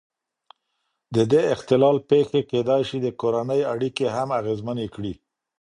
د دې اختلال پېښې کېدای شي د کورنۍ اړیکې هم اغېزمنې کړي.